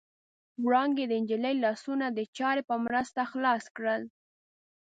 وړانګې د نجلۍ لاسونه د چاړې په مرسته خلاص کړل.